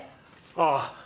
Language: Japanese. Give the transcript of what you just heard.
ああ。